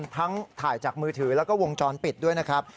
ทั้งถ่ายจากมือถือแล้วก็วงจรปิดด้วยนะครับ